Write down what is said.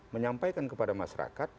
menyampaikan kepada masyarakat